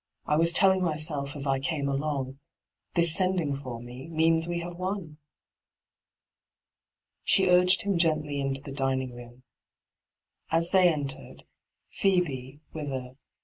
' I was telling myself as I came along — this sending for me means we have won.' She urged him gently into the dining room. As they entered^ Phoebe, with a 'Good .